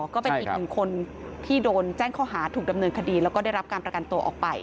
ก็เป็นอีกหนึ่งคนที่โดนแจ้งข้อหาถูกดำเนินคดีแล้วก็ได้รับการประกันตัวออกไป